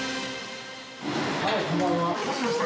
はい、こんばんは。